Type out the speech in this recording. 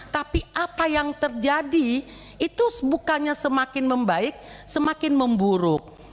tapi apa yang terjadi itu bukannya semakin membaik semakin memburuk